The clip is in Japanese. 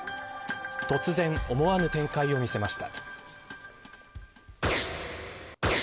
突然、思わぬ展開を見せました。